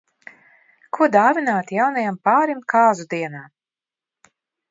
Ko dāvināt jaunajam pārim kāzu dienā?